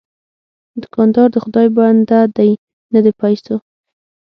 دوکاندار د خدای بنده دی، نه د پیسو.